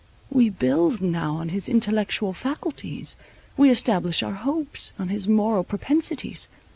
We build now on his intellectual faculties, we establish our hopes on his moral propensities.